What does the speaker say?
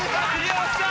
よっしゃ！